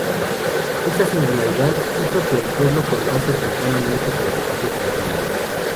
Esta singularidad hizo que el pueblo contase tempranamente con servicio telefónico.